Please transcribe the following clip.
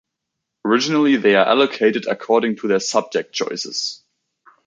Originally they are allocated according to their subject choices.